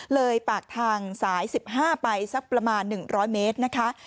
เลยปากทางสาย๑๕ไปสักประมาณ๑๐๐เมตรนะคะ